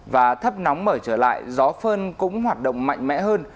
và thấp nóng mở trở lại gió phơn cũng hoạt động mạnh mẽ hơn